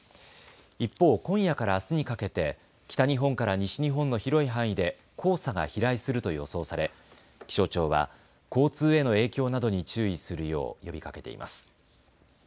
一方、今夜からあすにかけて北日本から西日本の広い範囲で黄砂が飛来すると予想され気象庁は交通への影響などに注意するよう呼びかけています。